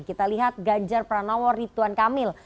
kita lihat ganjar pranowo ridwan kamil